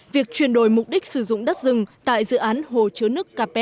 việc chuyển đổi mục đích sử dụng đất rừng tại dự án hồ chứa nước cape